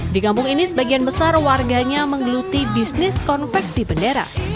di kampung ini sebagian besar warganya menggeluti bisnis konveksi bendera